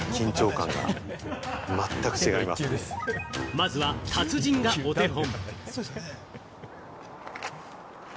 まずは達人がお手本。